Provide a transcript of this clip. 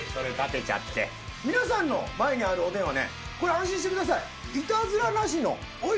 皆さんの前にあるおでんはねこれ安心してください。